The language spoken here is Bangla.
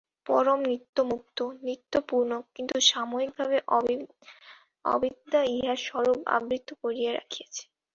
পরম নিত্যমুক্ত, নিত্যপূর্ণ, কিন্তু সাময়িকভাবে অবিদ্যা ইহার স্বরূপ আবৃত করিয়া রাখিয়াছে।